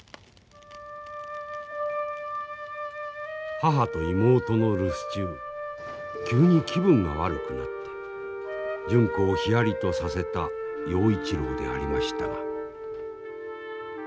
母と妹の留守中急に気分が悪くなって純子をヒヤリとさせた陽一郎でありましたが。